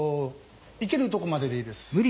いけるとこまででいいです。